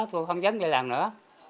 tôi không dám đi làm nữa